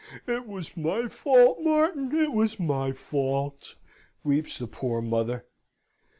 "It was my fault, Martin! It was my fault!" weeps the poor mother.